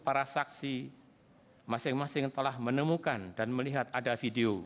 para saksi masing masing telah menemukan dan melihat ada video